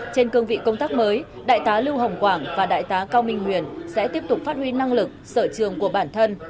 trên cương vị công tác mới đại tá lưu hồng quảng và đại tá cao minh nguyên sẽ tiếp tục phát huy năng lực sở trường của bản thân